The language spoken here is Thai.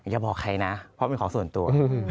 อย่าบอกใครนะเพราะเป็นของส่วนตัว